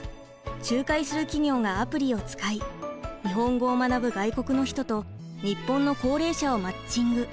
仲介する企業がアプリを使い日本語を学ぶ外国の人と日本の高齢者をマッチング。